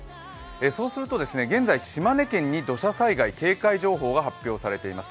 そうするとですね、現在、島根県に土砂災害警戒情報が発表されています。